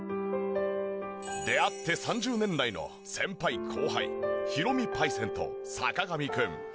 出会って３０年来の先輩後輩ヒロミパイセンと坂上くん。